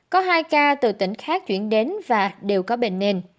có hai ca từ tỉnh khác chuyển đến và đều có bệnh nền